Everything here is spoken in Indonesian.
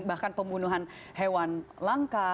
bahkan pembunuhan hewan langka